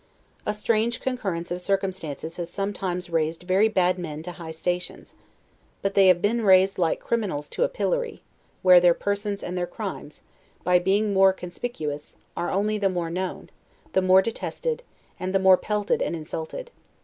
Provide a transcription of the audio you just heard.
A strange concurrence of circumstances has sometimes raised very bad men to high stations, but they have been raised like criminals to a pillory, where their persons and their crimes, by being more conspicuous, are only the more known, the more detested, and the more pelted and insulted.